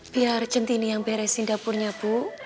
biar centini yang beresin dapurnya bu